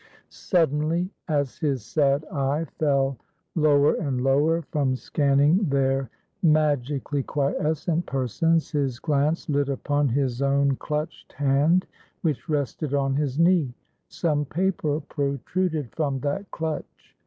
Suddenly, as his sad eye fell lower and lower from scanning their magically quiescent persons, his glance lit upon his own clutched hand, which rested on his knee. Some paper protruded from that clutch.